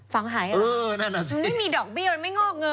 ฝังหายเหรอนั่นแหละสินี่มีดอกเบี้ยมันไม่งอกเงย